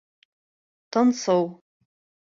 Тынсыу